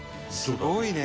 すごいね。